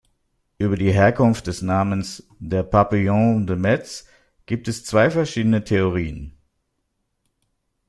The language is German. Über den Herkunft des Namens der Papillon de Metz gibt es zwei verschiedene Theorien.